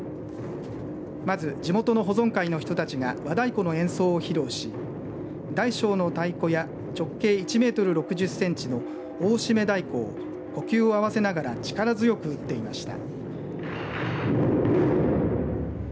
まず地元の保存会の人たちが和太鼓の演奏を披露し大小の太鼓や直径１メートル６０センチの大締太鼓を呼吸を合わせながら力強く打っていました。